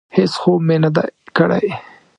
هېڅ خوب مې نه دی کړی.